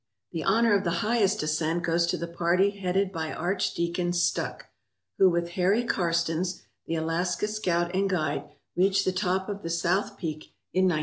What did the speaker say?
The honour of the highest ascent goes to the party headed by Archdeacon Stuck, who with Harry Karstens, the Alaska scout and guide, reached the top of the south peak in 1913.